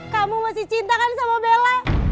kamu masih cintakan sama bella